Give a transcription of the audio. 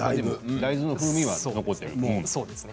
大豆の風味が残っているね。